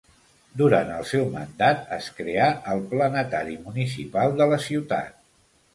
Durant el seu mandat, es creà el Planetari Municipal de la ciutat.